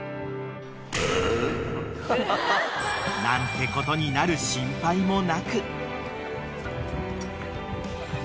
［なんてことになる心配もなく］